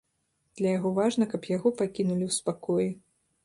Для яго важна, каб яго пакінулі ў спакоі.